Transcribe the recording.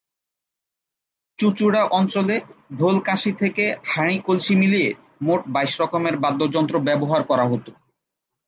চুঁচুড়া অঞ্চলে ঢোল-কাঁসি থেকে হাঁড়ি-কলসি মিলিয়ে মোট বাইশ রকমের বাদ্যযন্ত্র ব্যবহার করা হতো।